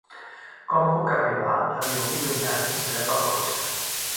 Com puc arribar a Vilobí d'Onyar sense agafar el cotxe?